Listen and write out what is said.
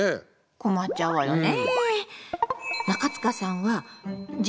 困っちゃうわよね。